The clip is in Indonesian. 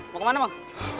mau kemana bang